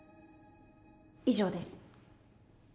以上です。